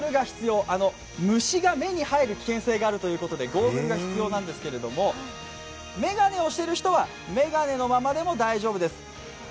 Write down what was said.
虫が目に入る危険性があるということでゴーグルが必要なんですけれども眼鏡をしている人は眼鏡のままでも大丈夫です。